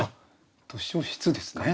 「図書室」ですね。